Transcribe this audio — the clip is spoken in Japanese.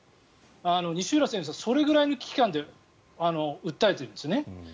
西浦先生はそれぐらいの危機感で訴えておられるんですね。